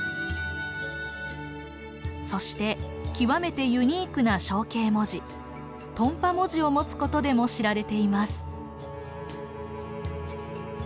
そして極めてユニークな象形文字トンパ文字を持つことでも知られています。